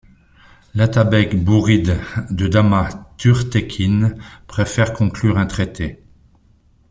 L'atabeg bouride de Damas Tughtekin préfère conclure un traité.